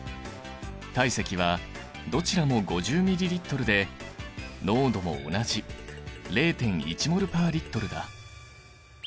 体積はどちらも５０ｍＬで濃度も同じ０．１ｍｏｌ／Ｌだ。